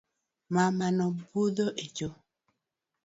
Mamano budho echo